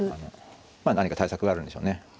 まあ何か対策があるんでしょうね。